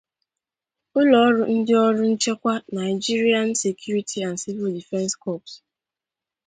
ụlọọrụ ndị ọrụ nchekwa 'Nigerian Security and Civil Defense Corps